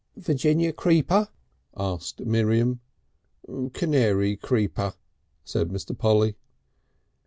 "Virginia creeper?" asked Miriam. "Canary creeper," said Mr. Polly.